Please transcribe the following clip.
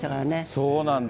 そうなんだ？